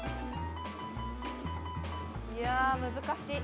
いや難しい。